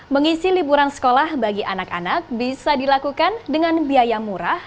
mengisi liburan sekolah bagi anak anak bisa dilakukan dengan biaya murah